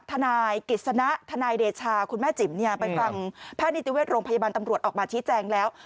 ทนายกิจสนะทนายเดชาคุณแม่จิ๋มไปฟังแพทย์นิติเวชโรงพยาบาลตำรวจออกมาชี้แจงแล้ว